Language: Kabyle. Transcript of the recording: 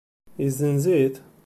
Yezenz-it?